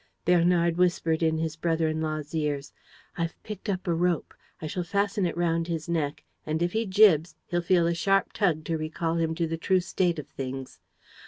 Bernard whispered in his brother in law's ear: "I've picked up a rope; I shall fasten it round his neck; and, if he jibs, he'll feel a sharp tug to recall him to the true state of things.